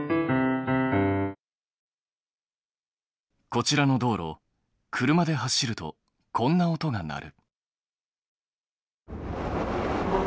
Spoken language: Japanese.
こちらの道路車で走るとこんな音が鳴る。